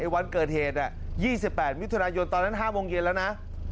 วันเกิดเหตุ๒๘มิถุนายนตอนนั้น๕โมงเย็นแล้วนะ